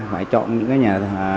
phải chọn những cái nhà